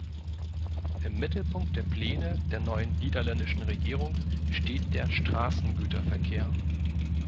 Im Mittelpunkt der Pläne der neuen niederländischen Regierung steht der Straßengüterverkehr.